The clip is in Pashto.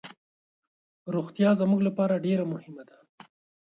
روغتیا زموږ لپاره ډیر مهمه ده.